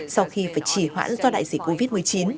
sau khi phải chỉ hoãn do đại dịch covid một mươi chín